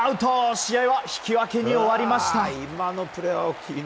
試合は引き分けに終わりました。